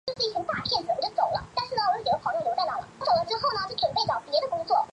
北京市文化投资发展集团有限责任公司原党委副书记、副董事长、总经理戴自更（正局级）涉嫌受贿罪一案